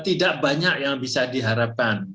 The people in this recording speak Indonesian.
tidak banyak yang bisa diharapkan dari situ